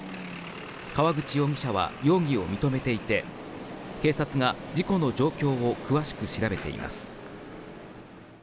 河口容疑者は容疑を認めていて警察が事故の状況を詳しく調べています。